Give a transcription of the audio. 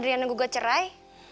adriana digugat cerai